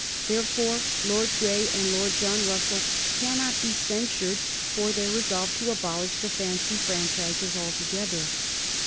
Therefore Lord Grey and Lord John Russell cannot be censured for their resolve to abolish the fancy franchises altogether.